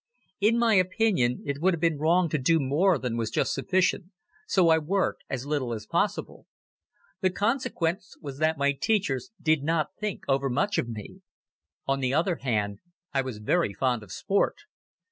In my opinion it would have been wrong to do more than was just sufficient, so I worked as little as possible. The consequence was that my teachers did not think overmuch of me. On the other hand, I was very fond of sport.